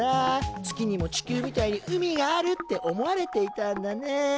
月にも地球みたいに海があるって思われていたんだね。